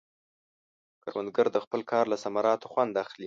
کروندګر د خپل کار له ثمراتو خوند اخلي